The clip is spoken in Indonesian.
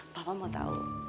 papa mau tau